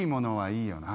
いいよな。